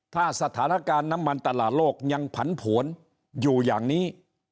ถ้าสถานการณ์น้ำมันตลาดโลกยังผันผวนอยู่อย่างนี้